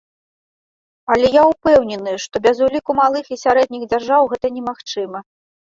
Але я ўпэўнены, што без уліку малых і сярэдніх дзяржаў гэта немагчыма.